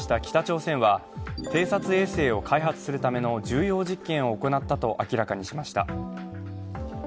昨日、弾道ミサイル２発を発射した北朝鮮は、偵察衛星を開発するための重要実験を行ったと明らかにしました。